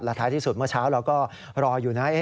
ท้ายที่สุดเมื่อเช้าเราก็รออยู่นะ